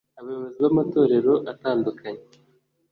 abayobozi b’amatorero atandukanye